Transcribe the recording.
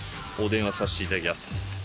お電話させていただきやす。